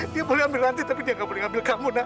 dia boleh ambil rati tapi dia gak boleh ambil kamu nak